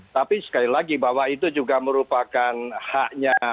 tapi sekali lagi bahwa itu juga merupakan haknya